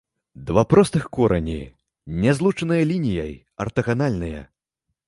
Два простых корані, не злучаныя лініяй, артаганальныя.